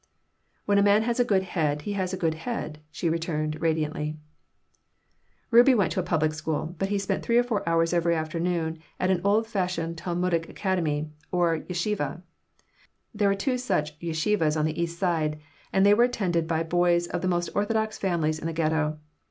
"When a man has a good head he has a good head," she returned, radiantly Rubie went to a public school, but he spent three or four hours every afternoon at an old fashioned Talmudic academy, or "yeshivah." There were two such "yeshivahs" on the East Side, and they were attended by boys of the most orthodox families in the Ghetto.